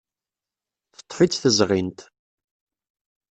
Teḍḍef-itt tezɣint.